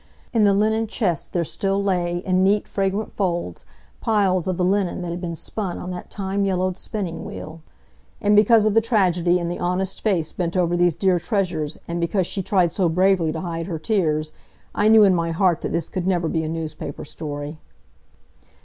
In the linen chest there still lay, in neat, fragrant folds, piles of the linen that had been spun on that time yellowed spinning wheel. And because of the tragedy in the honest face bent over these dear treasures, and because she tried so bravely to hide her tears, I knew in my heart that this could never be a newspaper story.